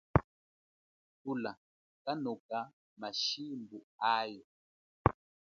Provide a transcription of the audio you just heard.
Vula kanokanga mashimbu ali.